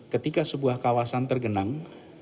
ketika sebuah kawasan tergenang